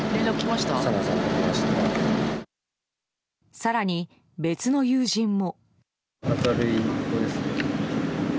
更に、別の友人も。